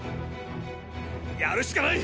やるしかない！